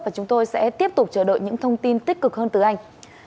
và chúng tôi sẽ tiếp tục chờ đợi những thông tin tích cực hơn từ anh